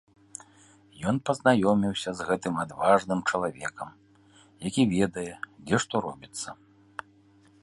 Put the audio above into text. Ён пазнаёміўся з гэтым адважным чалавекам, які ведае, дзе што робіцца.